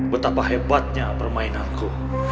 betapa hebatnya permainanku